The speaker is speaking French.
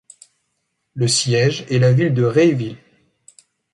Le siège est la ville de Rayville.